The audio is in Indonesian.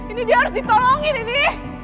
ini dia harus ditolongin ini